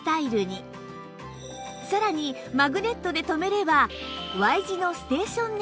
さらにマグネットでとめれば